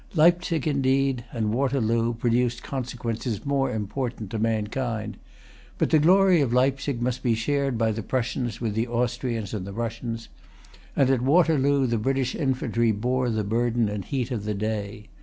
Leipsic, indeed, and Waterloo, produced consequences more important to mankind. But the glory of Leipsic must be shared by the Prussians with the Austrians and Russians; and at Waterloo the British infantry bore the burden and heat of the day.